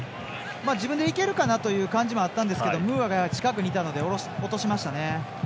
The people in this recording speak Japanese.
自分でいけるかなという感じもあったんですけどムーアが近くにいたので落としましたね。